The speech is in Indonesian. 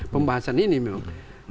pembahasan ini memang